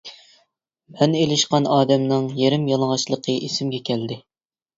مەن ئېلىشقان ئادەمنىڭ يېرىم يالىڭاچلىقى ئېسىمگە كەلدى.